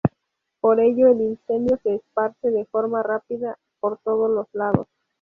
Por ello el incendio se esparce de forma rápida por todos los lados.